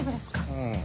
うん。